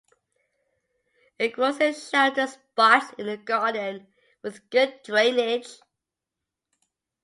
It grows in sheltered spots in the garden with good drainage.